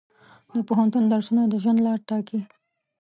د پوهنتون درسونه د ژوند لاره ټاکي.